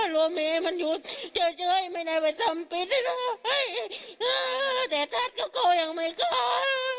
โลเมตรมันอยู่เจ้าเจ้าไม่ได้ไปทำปิดนะลูกแต่ทัศน์ก็กลัวอย่างไม่กล้า